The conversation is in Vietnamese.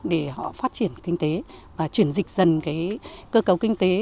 để họ phát triển kinh tế và chuyển dịch dần cơ cấu kinh tế